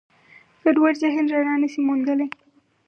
ګډوډ ذهن رڼا نهشي موندلی.